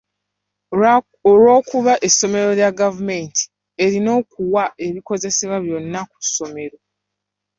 Olw'okuba essomero lya gavumenti, erina okuwa ebikozesebwa byonna ku ssomero.